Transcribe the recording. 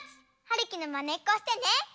はるきのまねっこしてね！